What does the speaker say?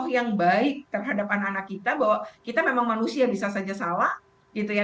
yang baik terhadap anak anak kita bahwa kita memang manusia bisa saja salah gitu ya